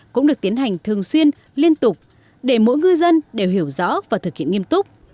cũng được tiến hành thường xuyên liên tục để mỗi ngư dân đều hiểu rõ và thực hiện nghiêm túc